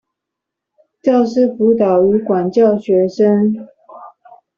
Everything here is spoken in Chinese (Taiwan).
教師輔導與管教學生